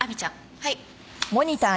はい。